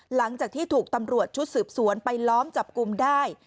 หลังจากที่ถูกตำรวจชุดสืบสวนไปล้อมจับกลุ่มได้